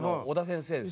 尾田先生